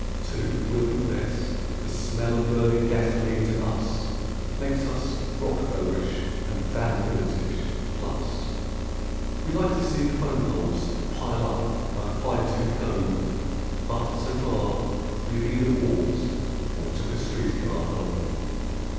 Too, we'll confess, the smell of burning gasoline to us Makes us rockfellerish and vanderbiltish—plus. We like to see the 'phone poles pile up like a fine tooth comb, But, so far, we have either walked or took a street¬ car home.